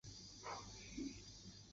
侏儒蚺属而设。